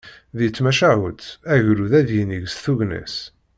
Deg tmacahut, agrud ad yinig s tugna-s.